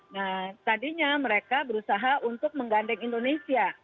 nah tadinya mereka berusaha untuk menggandeng indonesia